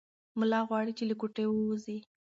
ملا غواړي چې له کوټې ووځي.